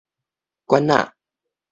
罐子